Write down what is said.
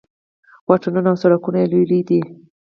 واټونه او سړکونه یې لوی لوی دي.